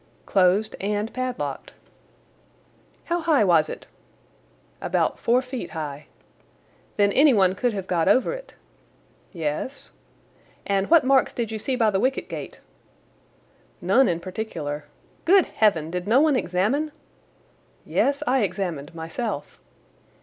"Closed and padlocked." "How high was it?" "About four feet high." "Then anyone could have got over it?" "Yes." "And what marks did you see by the wicket gate?" "None in particular." "Good heaven! Did no one examine?" "Yes, I examined, myself."